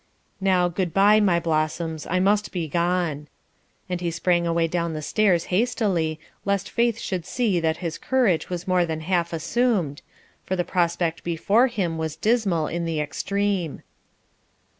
Now good bye, my blossoms, I must be gone," and he sprang away down the stairs hastily, lest Faith should see that his courage was more than half assumed, for the prospect before him was dismal in the extreme.